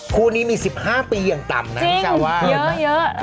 คู่นี้มี๑๕ปีอย่างต่ำนะนี่คือว่า